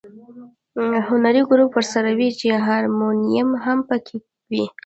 هنري ګروپ ورسره وي چې هارمونیم هم په کې وي.